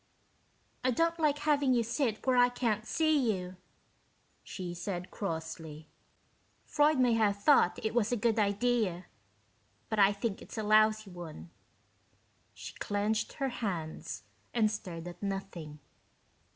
"I don't LIKE having you sit where I can't see you," she said crossly. "Freud may have thought it was a good idea, but I think it's a lousy one." She clenched her hands and stared at nothing.